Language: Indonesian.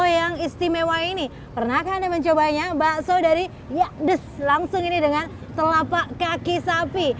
yang istimewa ini pernahkah anda mencobanya bakso dari yakdes langsung ini dengan telapak kaki sapi